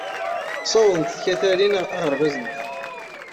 Sewḍent tkatarin aɣerbaz-nteɣ.